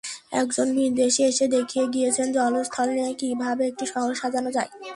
একজন ভিনদেশি এসে দেখিয়ে গিয়েছেন জল-স্থল নিয়ে কীভাবে একটি শহর সাজানো যায়।